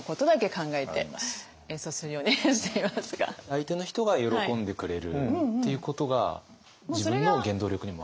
相手の人が喜んでくれるっていうことが自分の原動力にも。